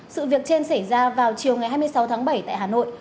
sự việc trên xảy ra vào chiều ngày hai mươi sáu tháng bảy tại hà nội